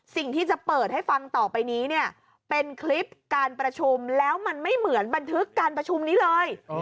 สิ่งที่จะเปิดให้ฟังต่อไปนี้เนี่ยเป็นคลิปการประชุมแล้วมันไม่เหมือนบันทึกการประชุมนี้เลย